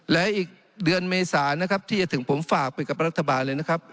และอีกเดือนเมษานะครับที่จะถึงผมฝากไปกับรัฐบาลเลยนะครับ